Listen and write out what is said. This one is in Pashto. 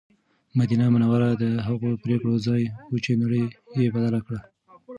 مدینه منوره د هغو پرېکړو ځای و چې نړۍ یې بدله کړه.